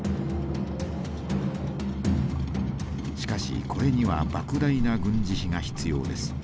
しかしこれには莫大な軍事費が必要です。